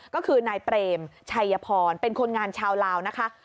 ก็คือนายเปรมชัยพรเป็นคนงานชาวลาวนะคะ